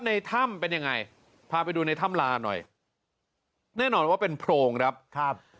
ในถ้ำเป็นยังไงพาไปดูในถ้ำลาหน่อยแน่นอนว่าเป็นโพรงครับครับ